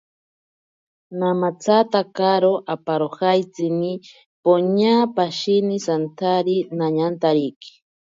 Namatsatakaro aparojatsini, poña pashine santsari nañantariki.